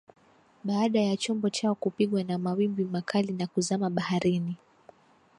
baada ya chombo chao kupigwa na mawimbi makali na kuzama baharini